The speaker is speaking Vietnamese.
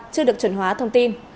chưa được chuẩn hóa thông tin